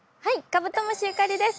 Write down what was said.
カブトムシゆかりです。